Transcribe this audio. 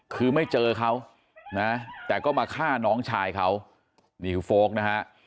คือไม่เจอเขานะแต่ก็มาฆ่าน้องชายเขานี่คือโฟลกนะฮะ